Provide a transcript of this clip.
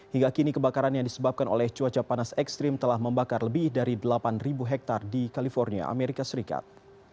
hingga kini kebakaran yang disebabkan oleh cuaca panas ekstrim telah membakar lebih dari delapan hektare di california amerika serikat